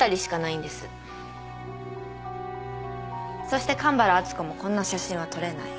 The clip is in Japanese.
そして神原敦子もこんな写真は撮れない。